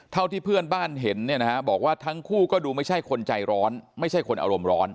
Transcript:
เท่าที่เพื่อนบ้านเห็นเนี่ยนะฮะบอกว่าทั้งคู่ก็ดูไม่ใช่คนใจร้อนไม่ใช่คนอารมณ์ร้อน